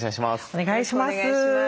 お願いします。